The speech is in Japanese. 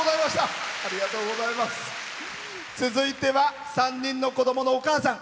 続いては３人の子供のお母さん。